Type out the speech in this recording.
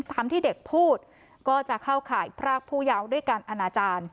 ตามที่เด็กพูดก็จะเข้าข่ายพรากผู้เยาว์ด้วยการอนาจารย์